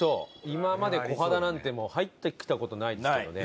今まで小肌なんて入ってきた事ないですからね。